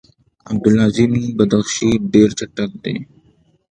عبدالعظیم بدخشي ډېر چټک دی.